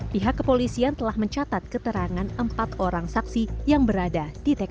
pihak kepolisian telah mencatat keterangan empat orang saksi yang berada di tkp